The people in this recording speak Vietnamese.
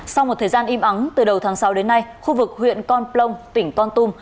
sau một thời gian im ắng từ đầu tháng sáu đến nay khu vực huyện con plong tỉnh con tum